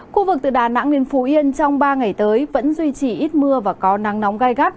khu vực từ đà nẵng đến phú yên trong ba ngày tới vẫn duy trì ít mưa và có nắng nóng gai gắt